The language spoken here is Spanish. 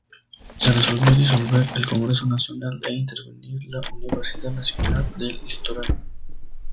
Se resolvió disolver el Congreso Nacional e intervenir la Universidad Nacional del Litoral.